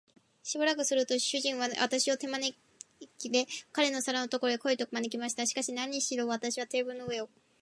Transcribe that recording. しばらくすると、主人は私を手まねで、彼の皿のところへ来い、と招きました。しかし、なにしろ私はテーブルの上を